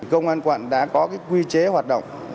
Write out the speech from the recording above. công an quận đã có quy chế hoạt động